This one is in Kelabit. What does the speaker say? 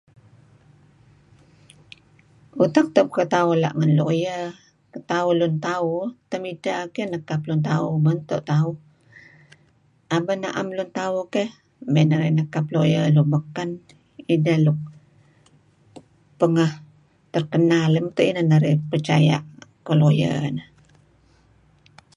Utak keh tauh ela' ngen Lawyer tauh lun tauh tmidteh nekap lun tau mento lun tauh. Aban men naem lun tauh keh may narih nekap lawyer lun baken. Ideh nuk pangeh terkenal iih inan narih percaya' lawyer nah.